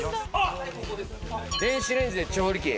電子レンジで調理器。